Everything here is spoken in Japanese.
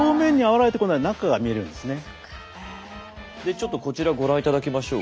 ちょっとこちらご覧いただきましょう。